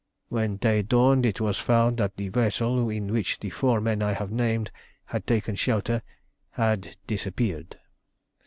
When day dawned it was found that the vessel in which the four men I have named had taken shelter had disappeared.